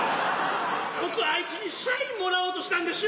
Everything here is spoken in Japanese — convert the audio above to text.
僕あいちゅにサインもらおうとしたんでしゅよ。